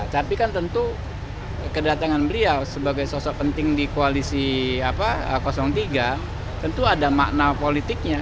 tapi kan tentu kedatangan beliau sebagai sosok penting di koalisi tiga tentu ada makna politiknya